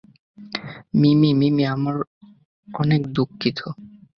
মিমি -- মিমি, আমরা অনেক দুঃখিত।